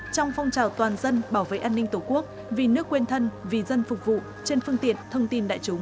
trong phong trào toàn dân bảo vệ an ninh tổ quốc vì nước quên thân vì dân phục vụ trên phương tiện thông tin đại chúng